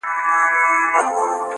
• یا د شپې یا به سبا بیرته پیدا سو -